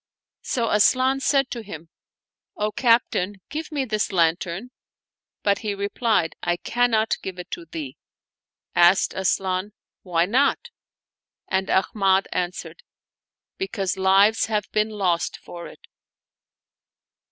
So Asian said to him, " O captain, give me this lan tern," but he replied, " I cannot give it to thee." Asked Asian, " Why not ?" and Ahmad answered, " Because lives have been lost for it."